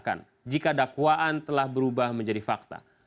dan juga meresahkan jika dakwaan telah berubah menjadi fakta